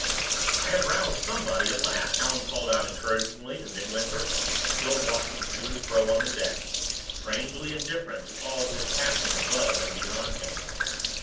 "I have roused somebody at last," Allan called out, encouragingly, to Midwinter, still walking to and fro on the deck, strangely indifferent to all that was passing above and beyond him.